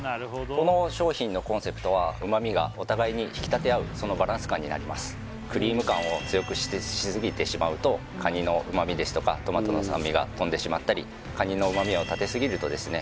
この商品のコンセプトはお互いにクリーム感を強くしすぎてしまうとカニの旨味ですとかトマトの酸味が飛んでしまったりカニの旨味をたてすぎるとですね